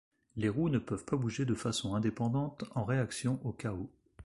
Les roues ne peuvent pas bouger de façon indépendante en réaction aux cahots.